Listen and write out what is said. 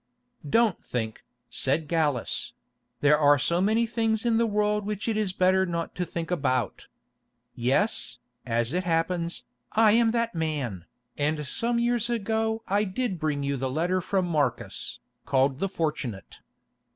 "Don't think," said Gallus; "there are so many things in the world which it is better not to think about. Yes, as it happens, I am that man, and some years ago I did bring you the letter from Marcus, called The Fortunate.